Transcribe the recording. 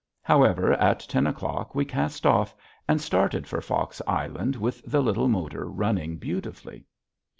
However, at ten o'clock we cast off and started for Fox Island with the little motor running beautifully.